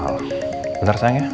al bentar sayang ya